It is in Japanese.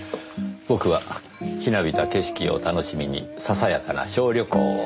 僕はひなびた景色を楽しみにささやかな小旅行を。